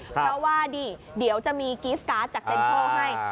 เพราะว่านี่เดี๋ยวจะมีกรีฟการ์ดจากเซ็นทรัลให้